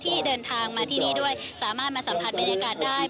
ที่เดินทางมาที่นี่ด้วยสามารถมาสัมผัสบรรยากาศได้